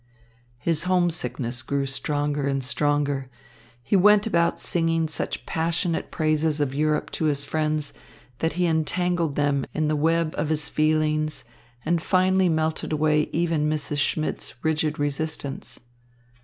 His homesickness grew stronger and stronger. He went about singing such passionate praises of Europe to his friends that he entangled them in the web of his feelings, and finally melted away even Mrs. Schmidt's rigid resistance.